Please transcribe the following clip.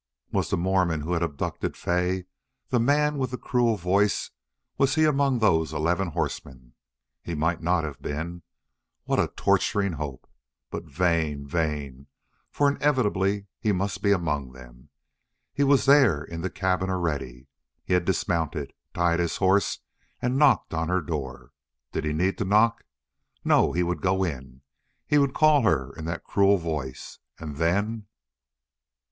Was the Mormon who had abducted Fay the man with the cruel voice was he among those eleven horsemen? He might not have been. What a torturing hope! But vain vain, for inevitably he must be among them. He was there in the cabin already. He had dismounted, tied his horse, had knocked on her door. Did he need to knock? No, he would go in, he would call her in that cruel voice, and then...